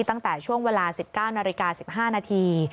ตั้งแต่ช่วงเวลา๑๙นาฬิกา๑๕นาที